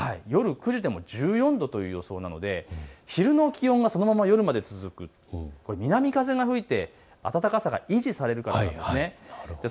夜９時でも１４度という予想で昼の気温がそのまま夜まで続く、南風が吹いて暖かさが維持されるんです。